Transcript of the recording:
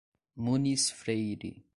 Muniz Freire